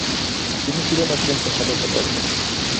তিনি ছিলেন একজন পেশাগত কর্মী।